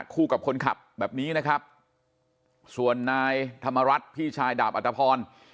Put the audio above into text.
คู่กับคนขับแบบนี้นะครับส่วนนายธรรมรัฐพี่ชายดาบอัตภพร